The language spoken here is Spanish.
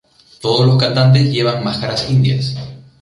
Todos los cantantes llevan máscaras indias.